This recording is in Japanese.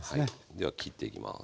では切っていきます。